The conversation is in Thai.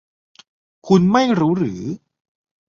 คุณไม่รู้หรือ